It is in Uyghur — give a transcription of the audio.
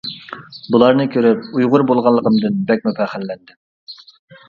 بۇلارنى كۆرۈپ ئۇيغۇر بولغانلىقىمدىن بەكمۇ پەخىرلەندىم.